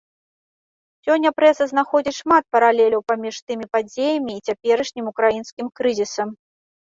Сёння прэса знаходзіць шмат паралеляў паміж тымі падзеямі і цяперашнім украінскім крызісам.